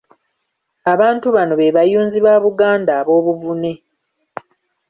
Abantu bano be bayunzi ba Buganda ab’obuvune.